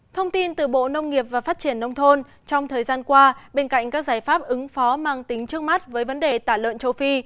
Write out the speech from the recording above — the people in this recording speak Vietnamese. thông tin từ bộ nông nghiệp và phát triển nông thôn trong thời gian qua bên cạnh các giải pháp ứng phó mang tính trước mắt với vấn đề tả lợn châu phi